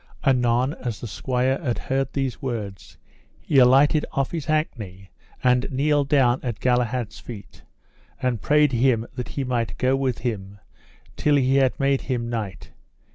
Anon as the squire had heard these words, he alighted off his hackney and kneeled down at Galahad's feet, and prayed him that he might go with him till he had made him knight.